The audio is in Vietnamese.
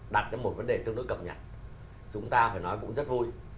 đặt ra một vấn đề tương đối cập nhật chúng ta phải nói cũng rất vui